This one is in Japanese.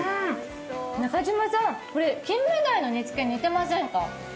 中島さん、これ金目鯛の煮つけに似てませんか？